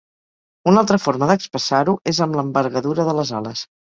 Una altra forma d'expressar-ho és amb l'envergadura de les ales.